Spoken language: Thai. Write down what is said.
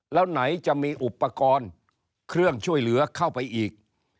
แล้วไหนจะมีอุปกรณ์เครื่องช่วยเหลือเข้าไปอีก